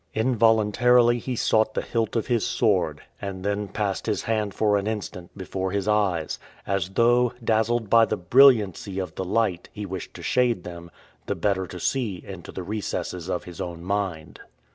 Involuntarily he sought the hilt of his sword, and then passed his hand for an instant before his eyes, as though, dazzled by the brilliancy of the light, he wished to shade them, the better to see into the recesses of his own mind.